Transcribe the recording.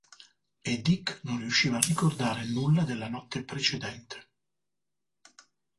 E Dick non riusciva a ricordare nulla della notte precedente.